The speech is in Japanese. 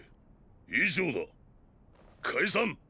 以上だ。解散！